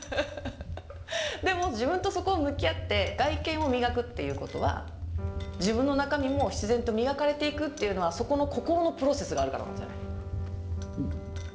でも自分とそこを向き合って外見を磨くっていうことは自分の中身も必然と磨かれていくっていうのはそこの心のプロセスがあるからなんですよね。